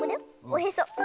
おへそ。